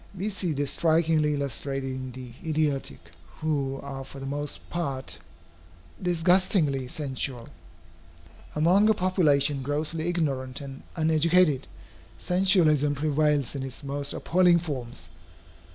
We see this strikingly illustrated in the idiotic, who are for the most part disgustingly sensual. Among a population grossly ignorant and uneducated, sensualism prevails in its most appalling forms.